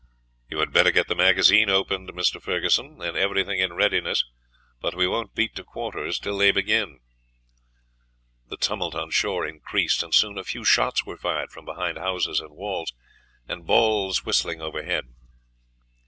"You had better get the magazine opened, Mr. Ferguson, and everything in readiness, but we won't beat to quarters till they begin." The tumult on shore increased, and soon a few shots were fired from behind houses and walls, the balls whistling overhead.